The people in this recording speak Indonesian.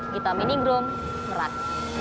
kita mini groom merak